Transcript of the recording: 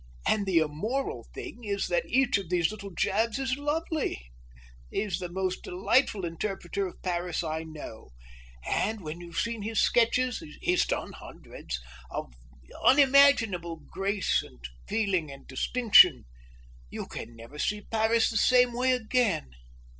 And the immoral thing is that each of these little jabs is lovely. He's the most delightful interpreter of Paris I know, and when you've seen his sketches—he's done hundreds, of unimaginable grace and feeling and distinction—you can never see Paris in the same way again."